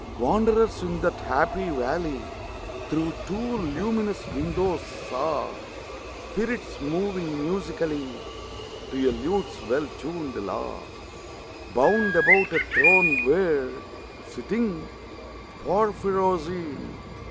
Wanderers in that happy valley, Through two luminous windows, saw Spirits moving musically, To a lute's well tunëd law, Bound about a throne where, sitting (Porphyrogene!)